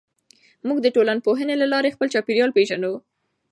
موږ د ټولنپوهنې له لارې خپل چاپېریال پېژنو.